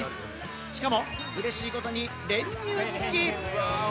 しかも嬉しいことに練乳つき。